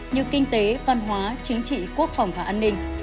như kinh tế văn hóa chính trị quốc phòng và an ninh